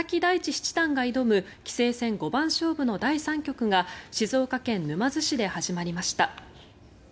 七段が挑む棋聖戦五番勝負の第３局が静岡県沼津市で始まりました。